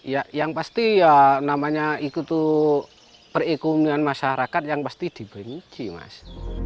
ya yang pasti ya namanya itu tuh perekonomian masyarakat yang pasti dibenci mas